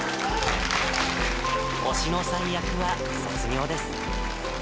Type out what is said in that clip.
おしのさん役は卒業です。